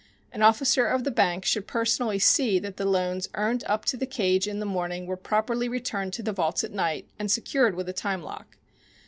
An officer of the bank should personally see that the loans earned up to the cage in the morning were properly returned to the vaults at night and secured with a time lock.